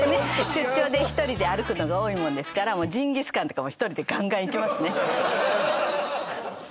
出張で１人で歩くのが多いもんですからジンギスカンとかも１人でガンガン行きますね